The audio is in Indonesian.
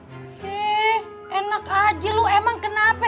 hei enak aja lu emang kenapa